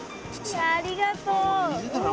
ありがとう。